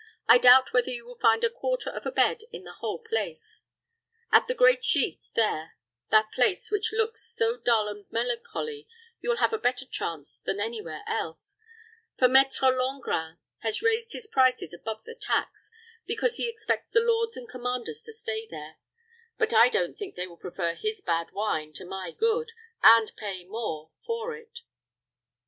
I doubt whether you will find a quarter of a bed in the whole place. At the great gite there that place which looks so dull and melancholy you will have a better chance than any where else; for Maître Langrin has raised his prices above the tax, because he expects the lords and commanders to stay there; but I don't think they will prefer his bad wine to my good, and pay more for it."